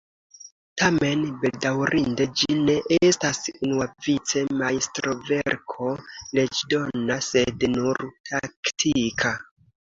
Tamen, bedaŭrinde, ĝi ne estas unuavice majstroverko leĝdona sed nur taktika.